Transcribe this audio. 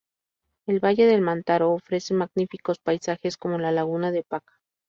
El valle del Mantaro ofrece magníficos paisajes como la laguna de Paca.